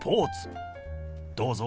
どうぞ。